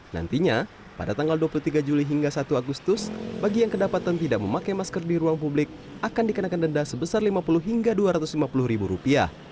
nantinya pada tanggal dua puluh tiga juli hingga satu agustus bagi yang kedapatan tidak memakai masker di ruang publik akan dikenakan denda sebesar rp lima puluh hingga rp dua ratus lima puluh